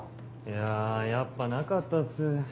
いややっぱなかったっす。